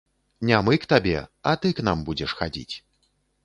Не мы к табе, а ты к нам будзеш хадзіць.